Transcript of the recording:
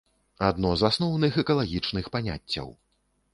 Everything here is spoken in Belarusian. Адно з асноўных экалагічных паняццяў.